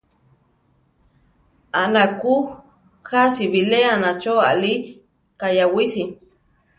Anakú jási biléana cho alí kayawísi.